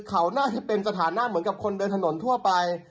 เขาน่าจะเป็นสถานะเหมือนกับคนเดินถนนทั่วไป